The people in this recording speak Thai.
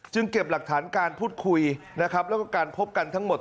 เก็บหลักฐานการพูดคุยนะครับแล้วก็การพบกันทั้งหมด